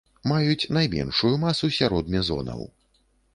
Маюць найменшую масу сярод мезонаў.